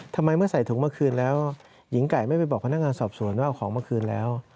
ทำไมเมื่อใส่ถุงมาคืนแล้วหญิงไก่ไม่ไปบอกพนักงานสอบสวนว่าเอาของมาคืนแล้ว